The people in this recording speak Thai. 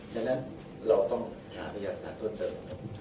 ดังนั้นเราต้องหาประหยัดผ่านเพิ่มเติม